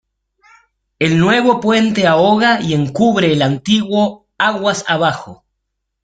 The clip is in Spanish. El nuevo puente ahoga y encubre el antiguo aguas abajo.